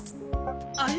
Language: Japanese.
あれ？